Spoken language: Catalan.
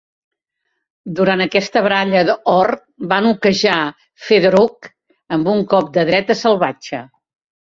Durant aquesta baralla Orr va noquejar Fedoruk amb un cop de dreta salvatge.